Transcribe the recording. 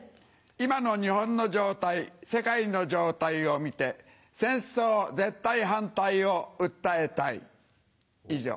「今の日本の状態世界の状態を見て戦争絶対反対を訴えたい以上」。